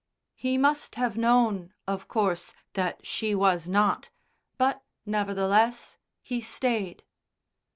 He must have known, of course, that she was not, but, nevertheless, He stayed.